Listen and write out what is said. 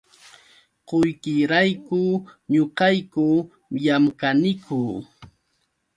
Qullqirayku ñuqayku llamkaniku.